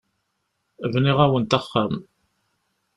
Bniɣ-awent axxam.